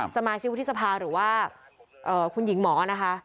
สมาชิกวุฒิสภาหรือว่าคุณหญิงหมอนะคะ